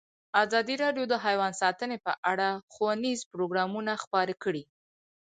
ازادي راډیو د حیوان ساتنه په اړه ښوونیز پروګرامونه خپاره کړي.